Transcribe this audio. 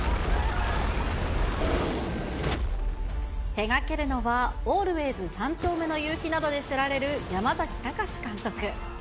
手がけるのは、ＡＬＷＡＹＳ三丁目の夕日などで知られる山崎貴監督。